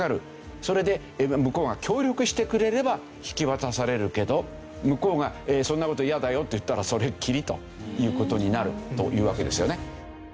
それで向こうが協力してくれれば引き渡されるけど向こうがそんな事嫌だよって言ったらそれっきりという事になるというわけですよね。